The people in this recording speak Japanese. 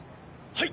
はい。